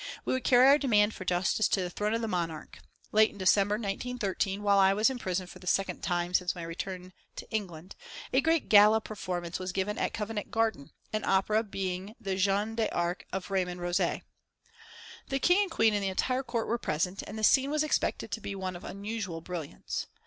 We would carry our demand for justice to the throne of the Monarch. Late in December, 1913, while I was in prison for the second time since my return to England, a great gala performance was given at Covent Garden, the opera being the Jeanne d'Arc of Raymond Rôze. The King and Queen and the entire Court were present, and the scene was expected to be one of unusual brilliance.